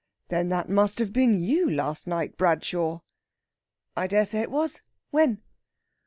"Then that must have been you last night, Bradshaw?" "I dare say it was. When?"